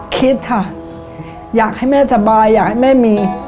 คิดค่ะอยากให้แม่สบายอยากให้แม่มี